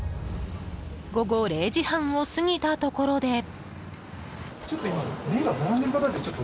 午後０時半を過ぎたところで。